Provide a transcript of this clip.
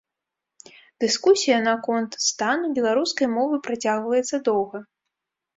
Дыскусія наконт стану беларускай мовы працягваецца доўга.